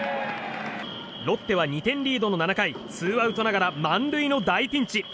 ロッテは２点リードの７回ツーアウトながら満塁の大ピンチ。